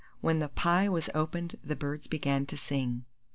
"WHEN THE PIE WAS OPENED, THE BIRDS BEGAN TO SING!"